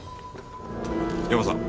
ヤマさん。